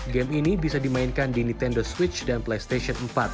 game ini bisa dimainkan di nintendo switch dan playstation empat